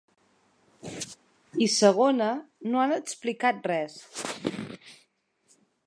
I segona, no han explicat res.